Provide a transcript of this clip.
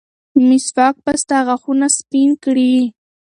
مسواک به ستا غاښونه سپین کړي.